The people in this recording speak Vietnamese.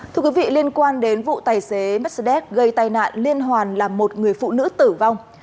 thưa quý vị liên quan đến vụ tài xế mercedes gây tai nạn liên hoàn là một người phụ nữ tử vong